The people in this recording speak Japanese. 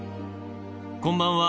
こんばんは。